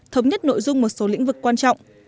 thống nhất nội dung một số lĩnh vực quan trọng